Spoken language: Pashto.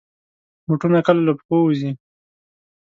بوټونه کله له پښو وځي.